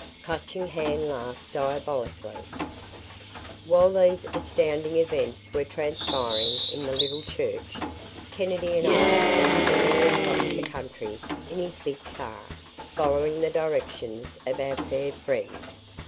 Clutching Hand laughed, diabolically. ........ While these astounding events were transpiring in the little church, Kennedy and I had been tearing across the country in his big car, following the directions of our fair friend.